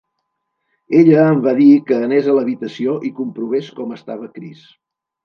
Ella em va dir que anés a l'habitació i comprovés com estava Chris.